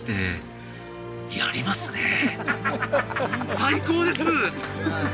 最高です！